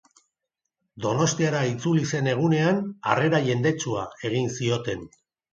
Donostiara itzuli zen egunean, harrera jendetsua egin zioten.